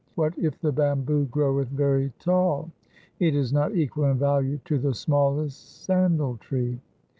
What if the bamboo groweth very tall ? It is not equal in value to the smallest sandal tree.'